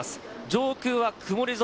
上空は曇り空。